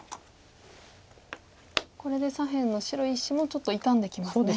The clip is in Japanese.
これで左辺の白石もちょっと傷んできますね。